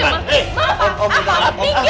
saya kena angkat mama ya